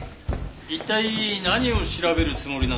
一体何を調べるつもりなんです？